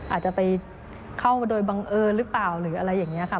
อาจจะไปเข้ามาโดยบังเอิญหรือเปล่าหรืออะไรอย่างนี้ค่ะ